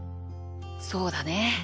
そうだね。